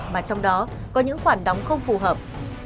mà trong đó có những khoản đóng không phù hợp